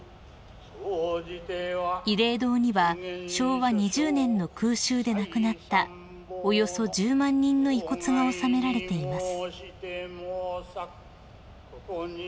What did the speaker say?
［慰霊堂には昭和２０年の空襲で亡くなったおよそ１０万人の遺骨が納められています］